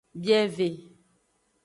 Bieve.